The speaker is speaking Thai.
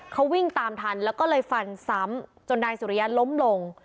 เขาวิ่งตามทันแล้วก็เลยฟันซ้ำจนนายสุริยะล้มลง